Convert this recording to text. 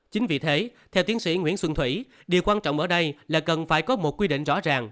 chính vì thế theo tiến sĩ nguyễn xuân thủy điều quan trọng ở đây là cần phải có một quy định rõ ràng